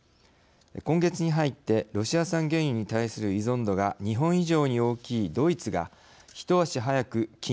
今月に入ってロシア産原油に対する依存度が日本以上に大きいドイツが一足早く禁輸を決断。